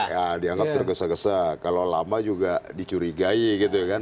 ya dianggap tergesa gesa kalau lama juga dicurigai gitu kan